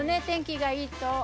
天気がいいと。